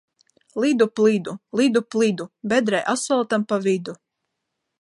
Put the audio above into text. Lidu plidu, lidu plidu, bedrē asfaltam pa vidu!